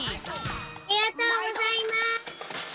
ありがとうございます。